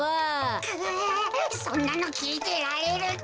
そんなのきいてられるか。